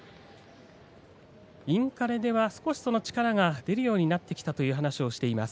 インカレでは少しその力が出るようになってきたという話をしています。